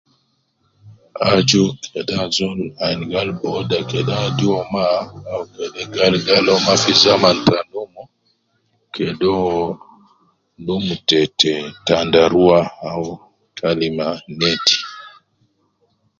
Aju kede azol ayin gal booda kede adi uwo ma au ma kede gal gal uwo ma fi zaman te munu, kede uwo num tete tandarua au kalima neti